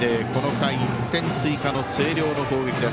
この回、１点追加の星稜の攻撃。